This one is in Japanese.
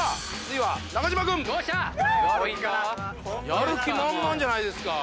やる気満々じゃないですか。